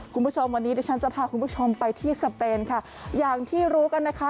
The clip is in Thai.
คุณผู้ชมวันนี้ดิฉันจะพาคุณผู้ชมไปที่สเปนค่ะอย่างที่รู้กันนะคะ